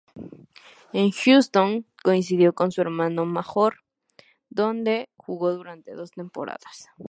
En Houston coincidió con su hermano Major, donde jugó durante dos temporadas.